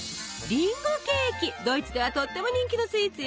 ドイツではとっても人気のスイーツよ。